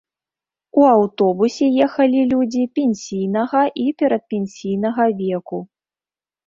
У аўтобусе ехалі людзі пенсійнага і перадпенсійнага веку.